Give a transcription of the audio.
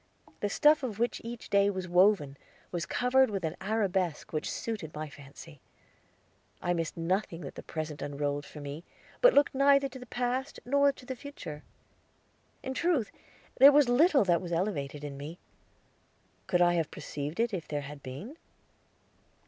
The stuff of which each day was woven was covered with an arabesque which suited my fancy. I missed nothing that the present unrolled for me, but looked neither to the past nor to the future. In truth there was little that was elevated in me. Could I have perceived it if there had been?